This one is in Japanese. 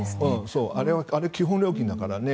あれは基本料金だからね。